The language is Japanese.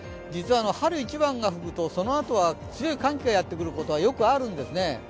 実は春一番が吹くと、そのあとは強い寒気がやってくることがよくあるんですよね。